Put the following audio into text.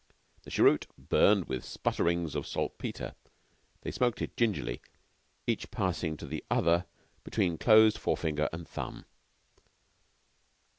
The cheroot burned with sputterings of saltpetre. They smoked it gingerly, each passing to the other between closed forefinger and thumb.